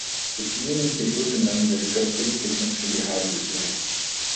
C'est une unité autonome de l'École polytechnique fédérale de Zurich.